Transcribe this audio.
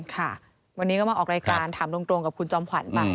ค่ะวันนี้ก็มาออกรายการถามตรงกับคุณจอมขวัญไป